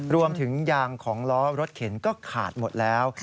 รวมถึงยางของล้อรถเข็นก็ขาดหมดแล้ว